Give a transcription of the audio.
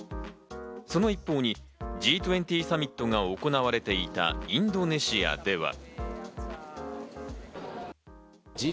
その一報に、Ｇ２０サミットが行われていたインドネシアでは。